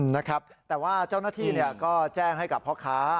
นะครับแต่ว่าเจ้าหน้าที่ก็แจ้งให้กับพ่อค้า